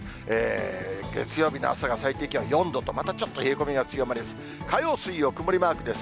月曜日の朝が最低気温４度と、またちょっと冷え込みが強まります。